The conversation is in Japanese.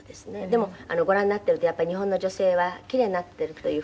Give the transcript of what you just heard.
でもご覧になっているとやっぱり日本の女性は奇麗になっているというふうに。